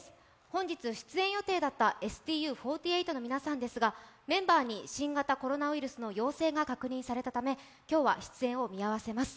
本日出演予定だったＳＴＵ４８の皆さんですが、メンバーに新型コロナウイルスの陽性が確認されたため今日は出演を見合わせます。